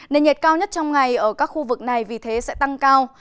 nền nhiệt cao nhất trong ngày ở các khu vực này vì thế sẽ tăng cao